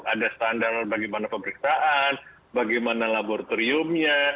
ada standar bagaimana pemeriksaan bagaimana laboratoriumnya